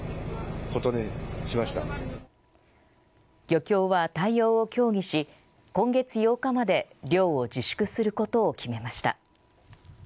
漁協は対応を協議し今月８日まで漁を自粛することを決めました。